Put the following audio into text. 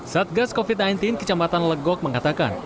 satgas covid sembilan belas kecamatan legok mengatakan